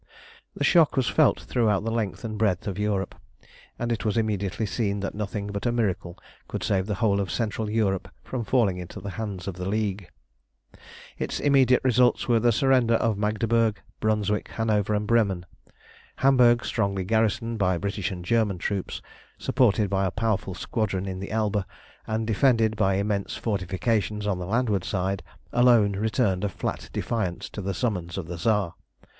The shock was felt throughout the length and breadth of Europe, and it was immediately seen that nothing but a miracle could save the whole of Central Europe from falling into the hands of the League. Its immediate results were the surrender of Magdeburg, Brunswick, Hanover, and Bremen. Hamburg, strongly garrisoned by British and German troops, supported by a powerful squadron in the Elbe, and defended by immense fortifications on the landward side, alone returned a flat defiance to the summons of the Tsar.